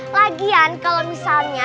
lagian kalau misalnya